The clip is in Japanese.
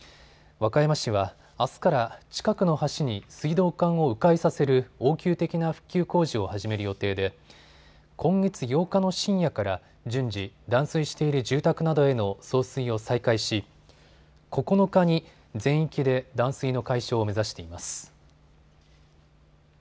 和歌山市は、あすから近くの橋に水道管をう回させる応急的な復旧工事を始める予定で今月８日の深夜から順次、断水している住宅などへの送水を再開し９日に全域で断水の解消を目指しています。